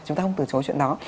chúng ta không từ chối chuyện đó